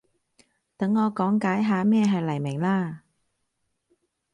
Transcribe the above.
等我講解下咩係黎明啦